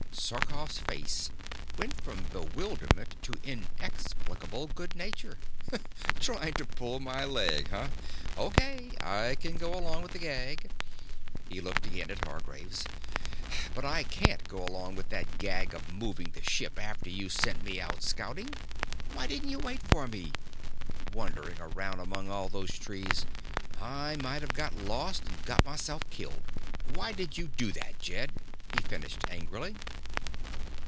_" Sarkoff's face went from bewilderment to inexplicable good nature. "Trying to pull my leg, huh? Okay. I can go along with a gag." He looked again at Hargraves. "But I can't go along with that gag of moving the ship after you sent me out scouting. Why didn't you wait for me? Wandering around among all these trees, I might have got lost and got myself killed. Why did you do that, Jed?" he finished angrily.